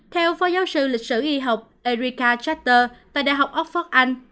theo phó giáo sư lịch sử y học erika charter tại đại học oxford anh